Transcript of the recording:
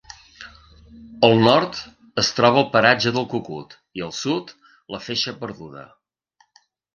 Al nord, es troba el paratge del Cucut i al sud, la Feixa Perduda.